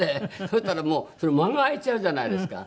そしたらもう間が空いちゃうじゃないですか。